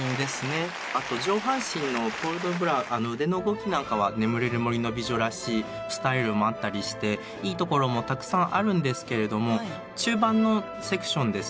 あと上半身のポール・ド・ブラ腕の動きなんかは「眠れる森の美女」らしいスタイルもあったりしていいところもたくさんあるんですけれども中盤のセクションですね